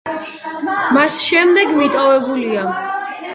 მას შემდეგ მიტოვებულია.